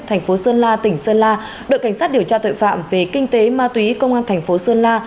thành phố sơn la tỉnh sơn la đội cảnh sát điều tra tội phạm về kinh tế ma túy công an thành phố sơn la